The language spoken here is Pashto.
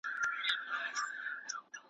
نه قوت یې د دښمن وو آزمېیلی .